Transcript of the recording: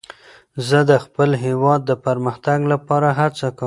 زه د خپل هېواد د پرمختګ لپاره هڅه کوم.